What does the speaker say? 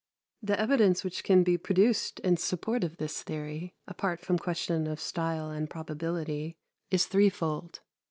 The evidence which can be produced in support of this theory, apart from question of style and probability, is threefold.